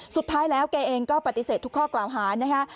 สุดท้ายแล้วแกเองก็ปฏิเสธทุกข้อกล่าวหานะคะ